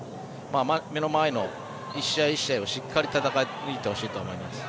目の前の１試合１試合をしっかり戦い抜いてほしいと思います。